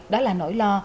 đó là nỗi lo